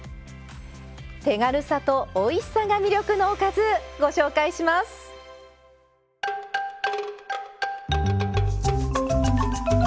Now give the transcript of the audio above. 手軽さとおいしさが魅力のおかずご紹介しますよ。